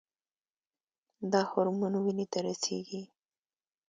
دا هورمون وینې ته رسیږي.